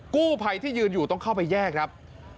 กู้ภัยที่ยืนอยู่ต้องเข้าไปแยกครับ